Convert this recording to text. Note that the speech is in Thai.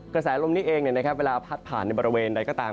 กระแสลมนี้เองเวลาพัดผ่านในบริเวณใดก็ตาม